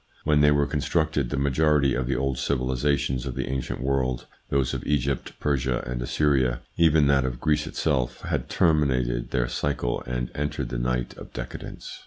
When they were constructed the majority of the old civilisations of the ancient world, those of Egypt, Persia, and Assyria, even that of Greece itself, had terminated their cycle and entered the night of decadence.